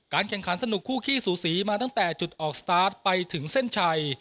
แข่งขันสนุกคู่ขี้สูสีมาตั้งแต่จุดออกสตาร์ทไปถึงเส้นชัย